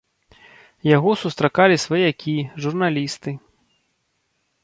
Яго сустракалі сваякі, журналісты.